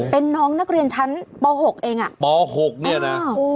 เป็นน้องนักเรียนชั้นป๖เองอ่ะป๖เนี่ยนะ